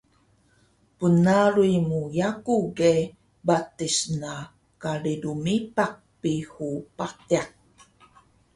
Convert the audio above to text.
Bnaruy mu yaku ge patis na kari rmibaq Pihu Padiq